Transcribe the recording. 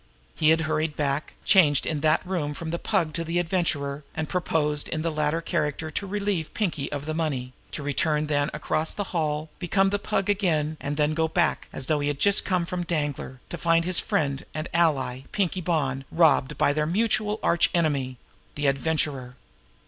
He had hurried back, changed in that room from the Pug to the Adventurer, and proposed in the latter character to relieve Pinkie of the money, to return then across the hall, become the Pug again, and then go back, as though he had just come from Danglar, to find his friend and ally, Pinkie Bonn, robbed by their mutual arch enemy the Adventurer!